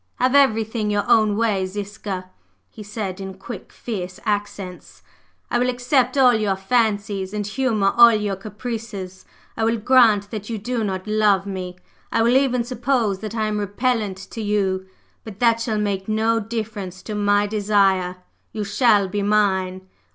"Have everything your own way, Ziska!" he said in quick, fierce accents. "I will accept all your fancies, and humor all your caprices. I will grant that you do not love me I will even suppose that I am repellent to you, but that shall make no difference to my desire! You shall be mine!